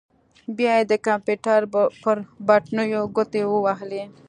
بيا يې د کمپيوټر پر بټنو ګوتې ووهلې.